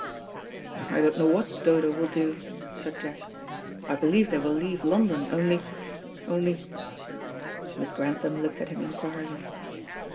"I don't know what Dodo will do," said Jack. "I believe they will leave London, only only " Miss Grantham looked at him inquiringly.